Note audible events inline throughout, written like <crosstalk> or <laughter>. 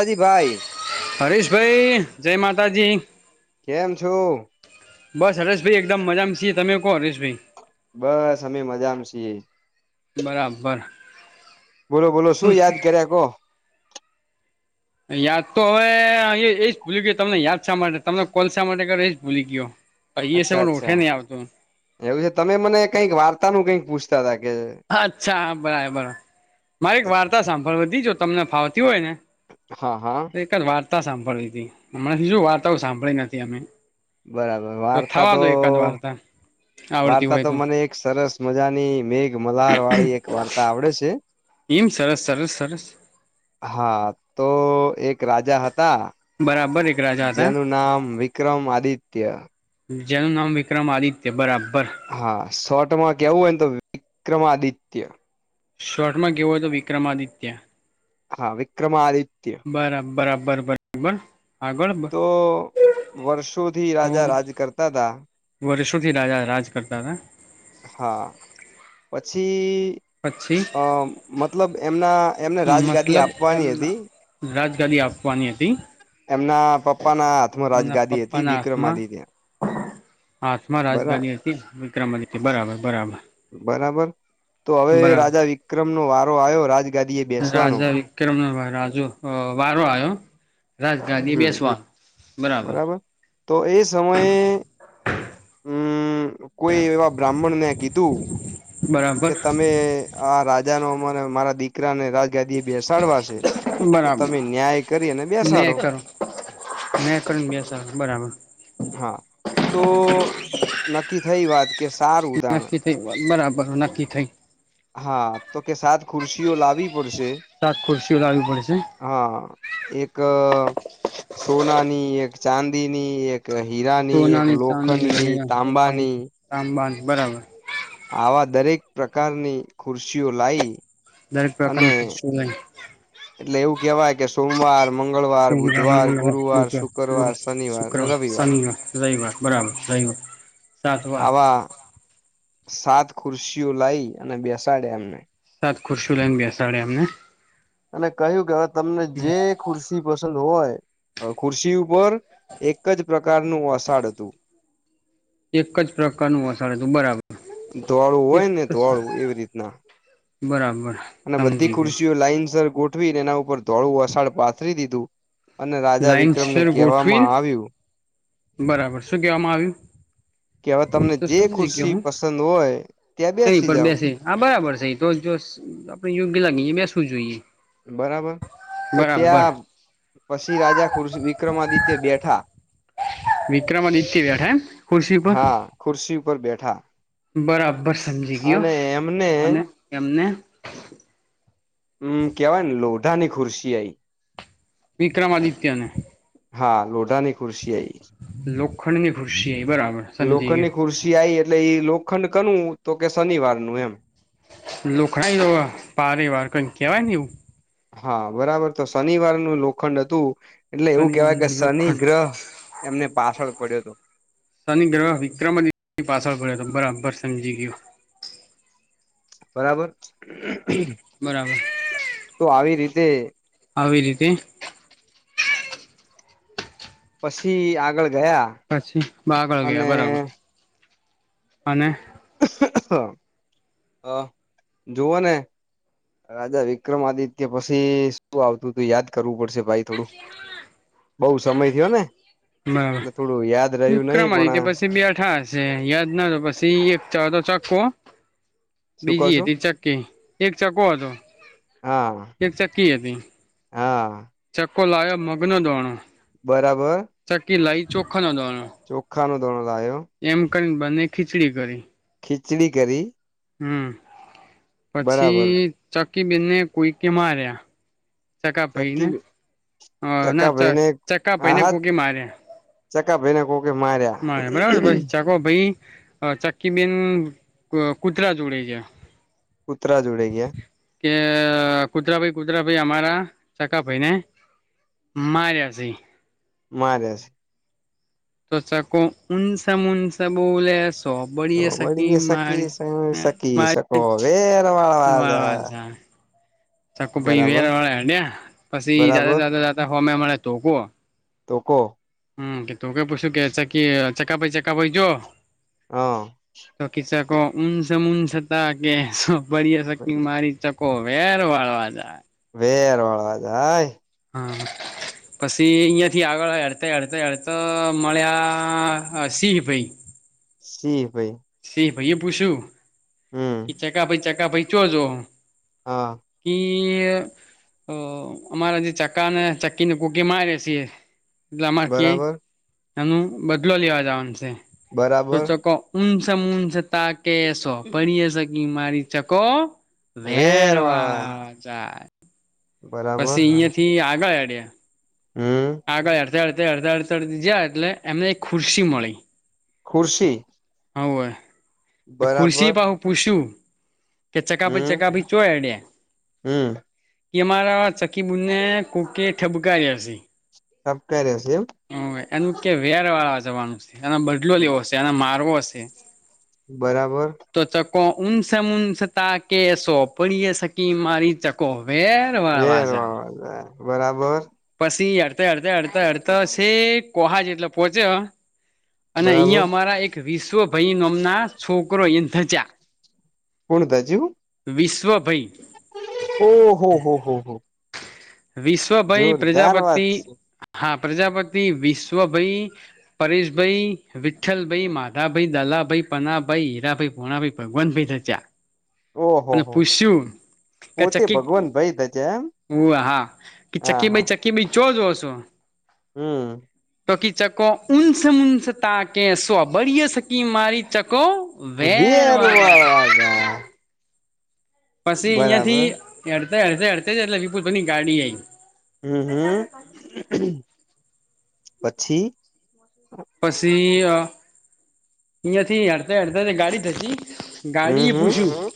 દદી ભાઈ હરીશ ભાઈ જય માતાજી કેમ છું બસ હરેશભાઈ એકદમ મજામાં છીએ તમે કો હરેશભાઈ બસ અમે મજામાં છીએ બરાબર બોલો બોલો શું યાદ કર્યા કોહ યાદ તો હવે અ એજ ભૂલી ગયો તમને યાદ શા માટે તમને કોલસાા માટે કે એજ ભૂલી ગયો એ સે અચ્છા પણ ઓઠે અચ્છા નહીં આવતું એવું છે તમે મને કઈક વાર્તા નું કંઈક પૂછતા હતા કે અચ્છા બરા બરાર મારે એક વાર્તા સાંભળવીી જો તમને ફાવતી હોય ને હા હા વાતા સાંભળી હતી હમણાંથી જો વાર્તાઓ સાંભળી નથી અમે બરાબર વાર્તા થવા તો દો એકાદ વાર્તા આવડતી વાર્તા હોય તો મને એક સરસ મજાની મેઘ મલહાર વાળી એક વાર્તા આવડે છે એમ સરસ સરસ સરસ હા તો એક રાજા હતા. બરાબર એક રાજા તા હતા જેનું નામ વિક્રમ આદિત્ય જેનું નામ વિક્રમ આદિત્ય બરાબર હા શોટમાં કેવું હોય ને તો વિક્રમાદિત્ય શોટમાં કેવોય તો વિક્રમાદિત્ય હા વિક્રમા આદિત્ બરા બરાબર બરાબર. આગળ તો વર્ષોથી રાજા રાજ કરતા હતા. વર્ષુંથી રાજા રાજ કરતા હતા હ હા પછી પછી અ મતલબ એમના એમને રાજગાદી મતલબ આપવાની એમના હતી. રાજગાદી આપવાની હતી. એમના પપ્પાના હાથમાં એમના રાજગાદી હતી પપ્પાના વિક્રમ હાથમાં આદી ત્યાં. હાથમાં રાજગાની હતી વિક્રમ હતી બરાબર બરાબર. બરાબર તો હવે બરાબર રાજા વિક્રમનો વારો આવ્યો રાજ રાજા વિક્રમ ના ભાર રાજુ અ વારો આયો રાજ રાજધની હમ બેેશમાં બરાબર તો એ સમયે હમ્મ કોઈ એવા બ્રાહ્મણને કીધું. બરાબર કે તમે આ રાજા ન અમને મારા દીકરાને રાજ ગદી એ બેસાડવા છે તો બરાબર તમે ન્યાય કરીને બેસાડો. મેં કેન હા તો નક્કી થઈ વાત કે સારું ઉદાણ નક્કી થઈ બરાબર નક્કી થઈ. હા તો કે સાત ખુરશીઓ લાવી રશે સાત ખુરશીઓ લાવવી પડશે હા એક સોના ની એક ચાંદી ની એક. એક હીરાની એક સોનાની ચાંદીની લોખંડની, હીરાની, લોખંડની તાંબાની તાંબાની બરાબર આવા દરેક પ્રકારની ખુરશીઓ લાઇ દરેક પ્રકારની ખુરશીઓ લાઈ એટલે એવું કેહેવાય કે સોમવાર મંગળવાર શનિવાર બુધવાર મંગળવાર ગુરુવાર બુધવાર ગુરુ શુક્રવાર શનિવાર રવિ શુક્રવાર શનિવાર રવિવાર બરાબર રવિવાર સાત વાર આવા સાત ખુરશીઓ લઈ અને બેસાડે એમને ખુરશી લઈને બેસાડે એમને અને કહ્યું કે હવે તમને જે ખુરશી પસંદ હોય. ખુરશી ઉપર એક જ પ્રકારનું અષાડ હતું. એક જ પ્રકારનું વસાાર હતું બરાબર ધોળું હોય ને ધોવાળું એવી રીતના બરાબર. અને બધી સમજી ગઈ ખુરશઓ લાઈનસ ગોઠવીને એના ઉપર ધોળું વસાાળ પાથરી દીધું. અને રાજા લાઈન વિક્રમને શેર ગોઠવીને કહેવામાં આવ્યું. બરાબર. શું કેવામાં આવ્યું? કે હવે તમને એતો જે સમજ કે ખુરશી હું પસંદ હોય ત્યાં એની બેસી પર જાવ બેસે આ બરાબર છે એ તો જોસ આપડે યોગ્ય લાગી મે શું જોઈએ. બરાબર. તો બરાબર ત્યાં પછી રાજા ખુરશ વિક્રમાદિત્ય બેઠા વિક્રમદિત્ય બેઠા એમ ખુરશી પર હા ખુરશી ઉપર બેઠા બરાબર સમજી ગયો અને એમને અને એમને હમ કેવાય ને લોઢા ની ખુરશી આઈ વિક્રમ આદિત્ય ને હા લોઢા ની ખુરશી આઈ લોખંડની ખુશી લોખંડ ની ખુરશી આ એટલે લોખંડ કરનુંું તો કે શનિવારનું એમ લોખડા પારે વાર કઈ કેવાય ને એવું હા બરાબર તો શનિવારનું લોખંડ હતું એટલે એવું શનિવાર કેહેવાય કે શનિ લોખંડ ગ્રહ એમને પાછળ પડ્યો હતો શનિ ગ્રહ વિક્રમદ પાછળ ભોર્યો હતો બરાબર સમજી ગયો બરાબર બરાબર તો આવી રીતે આવી રીતે પછી આગળ ગયા પછી બાગળ અને ગયા બરાબર અને હા હ જોઓ ને રાજા વિક્રમ આદિત્ય પછી શું આવતું તું યાદ કરવું પડશે ભાઈ થોડું બઉુ સમય થયો ને એટલે થોડું યાદ રહ્યું નહી વિક્રમ ર પણ તે પછી બેઠા હશે યાદ નાતો પછી એકતો ચોખ્ખો શું કહો બીજી છો હતી ચક્કી એક ચક્કો હતો હા એક ચક્કી હતી હા કોલાયા મગ્ન દ્વાણા બરાબર ચકી લાઈ ચોખા નોંધવાનો ખા ન ધોણ લ આવ્યો બંને ખીચડી કરી ખીચડી કરી હમ બરાબર પછી ચકીબનને કોઈ કે માર્યા ચકા પઈ ને ચકી હ ના ચકા ભાઈને ચકા પઈ હા ને હા કોૂકી માર્યા ચકા ભાઈને કોકે માર્યા મારે બરાબર પછ ચાકોો ભાઈ ચક્કીબેન કૂતરા જોડે છે કૂતરા જોડે ગયા કે કુતરા ભાઈ કુતરાા ભાઈ અમારે ચકા પઈને માર્યા છે મારે છે તોવચાકો નસ મુનસ બોલે તોબળ તો એ શકી વળી સકી મારી સકી શકો મારી વેર વા વાળવા વા ચક પી વેર બરાબર વાળ હડ્યા પછી બરાબર જાતે ફમે મળ તોક તો કો હમ કે તું કે પૂછુ કે ચકી ચકા ચકા જો હા તો ઉનસ મુંનસ તકે શક મારી ચકો વેર વાળવા જાય. <unintelligible> હા <inaudible> પછી અહિયાં થી આગળ હડતા હડતા હડતા મળ્યા સિંહ ભાઈ. શી ભાઈ. ભાઈ એ પૂછ્યું હમ કે ચકા ભાઈ ચકા ભાઈ ચયોજ. હા. અમારા જે ચક્કા ને ચક્કી ને કોકી મારી છે. એટલે અમારે કે બરાબર એનું બદલો લેવા જવાનું છે. બરાબર. હાંસ મુન્સ તાકે કે‌ પડી હસ ક મારી ચકો. વેન વેર વા વાળવા જાય બરાબર પછી અહિયાં થી આગળ. <inaudible> હમ આગળ અડ અડ અડતા અડતા અડ જાય એટલે એમને ખુરશી મળી. ખુરશી હવે તો બરાબર ખુરશી પાહું પૂછું. કે ચકાફી હમ ચકાપી ચોયડે હમ કે અમારા ચકીબુને કોકે ઠબકારી હશે. સબ કરે છે એમ હ એનું કે વેર વાળા છે. વાનું એના બદલો લેવો હશે એના મારવો હશે. બરાબર. ઉન્સ મુન્સ તાકે કે‌ પડી હસ ક મારી ચકો. બેરવાળ વેર વાજ. બરાબર. અી હડ હડતા હડતા હડતા કોહા જેટલે પોહોચ્યો. અને બરાબર અહીંયા અમારા એક વિશ્વ ભાઈનો અમના છોકરો અ ધચા. કોણ દાજુ. વિશ્વભાઈ. ઓહ હો હો હો. વિશ્વભાઈ જોરદાર પ્રજાપતિ વાત છે હા. પ્રજાપતિ વિશ્વભાઈ પરેશભાઈ વિઠ્ઠલભાઈ માધાભાઈ દલાભાઈ પનાભાઈ હીરાભાઈ પોણાભાઈ ભગવાન ભાઈ થચા. ઓહો અને હો પૂછ્યું કે પોતે ચકી ભગવાન ભાઈ થજે એમ હ હા કે ચક્કી ભાઈ ચક્કી ભાઈ ચો જોવો છો. હમ્મ. તોકી ચકો ઉન્સ મુન્સ તાકે સ્વબરી સકી મા ચકો. વેર <inaudible> વળવા જાય પછી અહિયાયા બરાબર થી હડ અડ હડ જ એટલે વિપુની ગાડી આઈ. હમ્મ હમ્મ પછી. પછી અ. અયાથી હડતા હડતા ગાડી થતી હમ ગાડી એ હમ પૂછ્યું.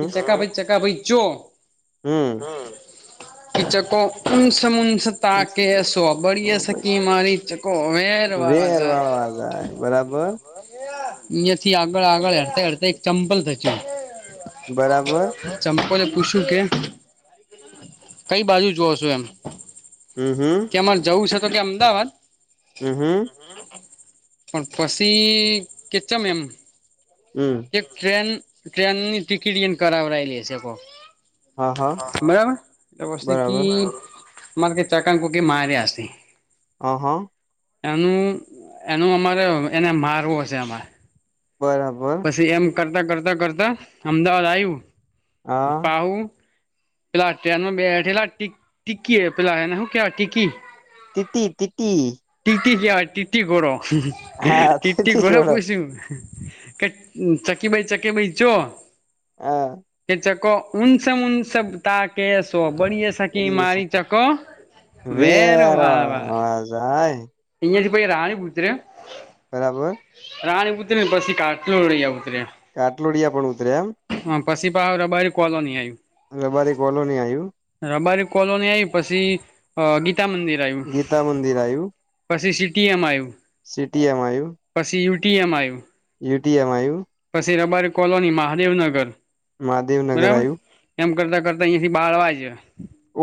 પ ચકા ભાઈ ચક ભાઈ જો હમ ચકો ઉનસ મુંનસ તા કેસો બળએ સકી મારી ચકો હવે વાળ વા વેર બરા વાળવા જાય બરાબર અહીયા થી આગળ આગળ હડતા હડતા એક ચંપલ થચ બરાબર. પૂછું કે કઈ બાજુ જોવ છો એમ. હમ હમ કે અમારે જવું છે તો કે અમદાવાદ હમ્મ. પણ પછી કેચમ એમ હમ એક ટ્રેન ટ્રેનની ટિકિટ એ કરાવડયેલી હ છે કોક હા હા બરાબર બરાબર <inaudible> મારે કે ચક કુકી મારે આ હ હા એનું એનું અમારે એને મારવો હશે અમારે, બરાબર પછી એમ કરતા કરતા કરતા અમદાવાદ આવ્યું હા પાહુ પેલા ટમાં બેઠેલા ટી ટીકી પેલા એને શું કવા ટીકી, તિટી તીટી તીતી તીતી ખોડો હા તીતી તીટી ખોડે ઘોડો પૂછ્યું, કે ચકી ભાઈ ચકી ભાઈ ચો હા ચાકો સબ તા કે શો બળ શકી બની જશે મારી ચકો વેર વા વાર વેરાય ઈથી પ રાણી પુજર બરાબર રાણી ઉતરી ને પછી કાટલોયા ઉતરી કાટલોડિયા પણ ઉતર્યા એમ હમ્મ પછી પા રબારી કોલોની આવ્યું, અ રબારી કોલોની આવ્યું રબારી કોલોની આવી પછી ગી ગીતા મંદિર આવું, પછી સીટીએમ આવ્યું, સીટી એમઈવ ટી એમ આઈ યુટી એમઈ સીરબારી કોલોની મહાદેવનગર, મહાદેવનગર આવું, તા અહીંયાથી બાહળવાય છે,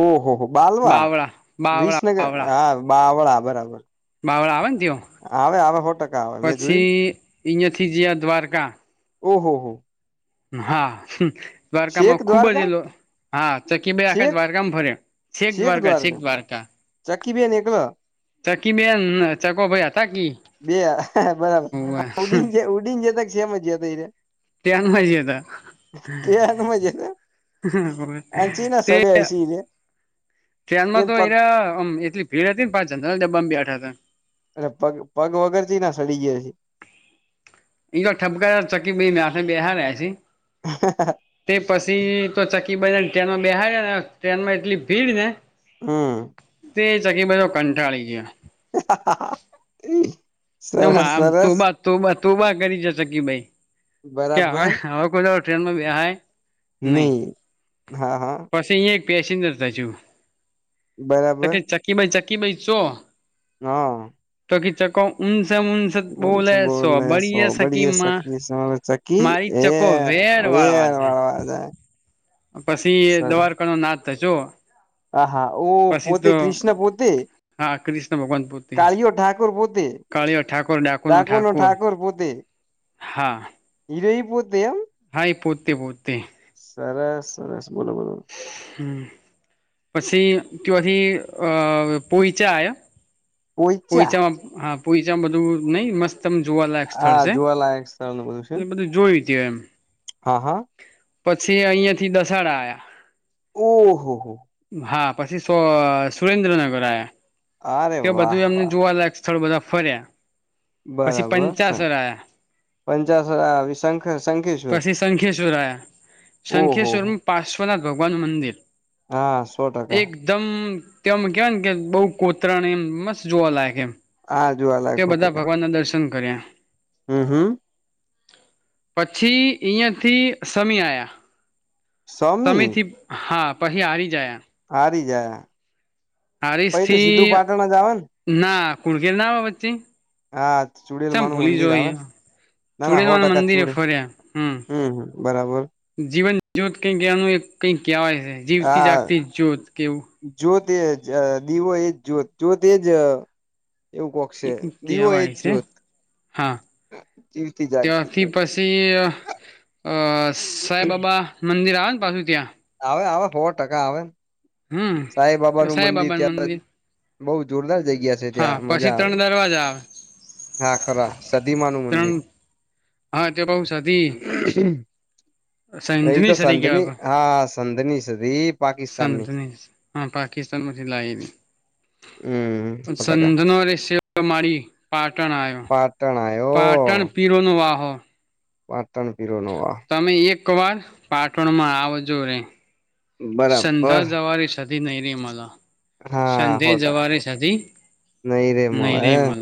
ઓહો હો બાલવા બાવળા વિસનગર બાવળા હા બાવળા બરાબર બાવળા આવે ને તયો આવે આવે સો ટકા આવે મેં જોયું પછી અહીંથી, જયા દ્વારકા ઓહહ હા દ્વારકામાં ખુબ જ દ્વારકા એલો હા ચકી ભાઈ આખા શેખ દ્વારકામાં ફરે છેક દ્વારકા છેક દ્વારકા ચકી બેન એકલો ચકી બેન ચકો ભાઈ હતા કે બે બરાબર ઉડી ઉડીને જતામ જતો એ રે ટ્રેનમાં જયા તા તેાર મજે આચી ના તે સડી હસી રે ટ્રેનમાં તો એરામ એટલી ભીડ હતી, ને પાંચ જ ત્યા બ બેઠા હતા. અરે પગ પગ વગરથી ના સડી ગયા છે, એ ઠપકા ચકી બ ના બેહાર આ છે, તે પછી તો ચ બને ટ્રેનમાં બેહાર ને ટ્રેનમાં એટલી ભીડ ને હમ્મ તે ચકીબધો કંટાળી ગયા <unintelligible> સરસ ના આમ તું સરસ બા તુંત તું બા કરી જ શકી ભાઈ કે હવે બરાબર હવે કોઈ ટ્રેનમાં બેએ નહી હા હા પેસજર થજું તો બરાબર કે ચકી માઈ ચકી માય ચો? હા ક ચકો ઉનસ બોલે સો બળીએ સકી બય માં ચકી મારી એ ચકો વેર વાળવા ાર છે. વાળ વા જાય પછી દવાખા નો નાદ થજ હ હા ઓ પોતે કૃષ્ણા પોતે હા કૃષ્ણ ભગવાન પુતિ કાળિયો ઠાકોર પોતે કાળિયો ઠાકોર ડાકોર નું ઠાકોર હા મુદય હાાઈ પોતે પોતે સરસ સરસ બોલો બોલો હમ પછી ત હથી અ પોઈચા આ પોઈચા પોઈચામાં હા પોઈચામાં બધું નહી મસ્ત એકમ જોવાલાયક સ્થળ આ છે જોવાલાયક સ્થળને છે. એટલે બધું જોયું તે એમ હા હા પછી અહિયાં થી દસાડા આયા હહહ હા પછી સ સુરેન્દ્રનગર આ્યા અરે તે વાહ બધું એમને વાહ જોવાલાયક સ્થળ બધા ફર્યા પછી બરાબર સર પંચાસર આવ્યા પંચાસરા શંખ શંખેશ્વર પછી સંખેશ્વર આવ્યા ઓહો સંખેશ્વર હો પાસ સમનાથ ભગવાન નું મંદિર હા સો ટકા એકદમ તે કેવા ને કે બહુ કોતરાણ એમ મસ્ત જોવા લાયે એમ હા તે જોવાલાયક હો બધા ટકા ભગવાન ના દર્શન કર્યા હમ હમ પછી અહીયાંથી સમી આયા સમય સ્વામી થી હા પછ હારી જયા હારી જાય હરીસ પહી તો થી સીધું પાટણ જ આવે ને ના કુળગેર ના આવે વચ્ચે હા ચુડેલમાં નું મંદિર આવે ના ના હો ચુડેલવાનું ટકા મંદિરે ચુડે ફર્યા હમ હમ બરાબર જીવન જ્યોત કઈ કનું કઈક કહેવાય છે જીવતી જાગતી જ્યોત કેવું તેજ દીવો એજ જોત જોતેજ એવું એ કોકશે કઈક દીવો એજ કહેવાય છે જો્યોત હા ત્યાંથી પછી અ સાઈબબા મંદિર આવે ને પાછું ત્યાં આવે આવે સો ટકા આવેને હમ સાઈબબા નું સાઈ મંદિર બાબાનું ત્યાં મંદિર બહુ જોરદાર જગ્યા છે હા ત્યાં પછી મજા આવે ત્રણ દરવાજા આવે હા ખરા સદીમા નું ત્રણ મંદિર હા ત્યા પાઉસાધ એ તો સંધની હા સંધની સુધી પાકિસ્તાનની હ પાકિસ્તાનમાંછથી હમ સો ટકા લ મારી પાટણ આવ્યો પાટણ પાટણ પીરો નો વાહો પા તણ પીરો નવા તમે એક વાર પાટણમાં આવજો રે બરાબર સંધા જવારી નઈ રેલા હા સંધે સો ટકા જવારે સાધ નહી રે ન મળે રેલા